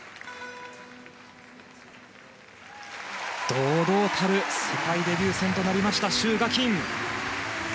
堂々たる世界デビュー戦となりました、シュウ・ガキン！